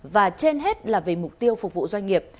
và trên hết là về mục tiêu phục vụ doanh nghiệp